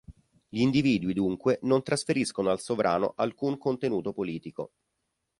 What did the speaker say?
Gli individui dunque non trasferiscono al sovrano alcun contenuto politico.